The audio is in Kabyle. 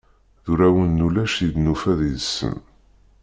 D urawen n ulac i d-nufa deg-sen.